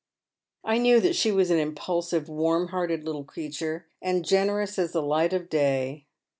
I knew that she was an impulsive, v/arm hearted little creature, and generous as the light of day.